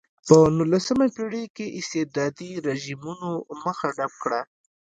په نولسمه پېړۍ کې استبدادي رژیمونو مخه ډپ کړه.